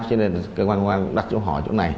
cho nên cơ quan quân đặt chỗ hỏi chỗ này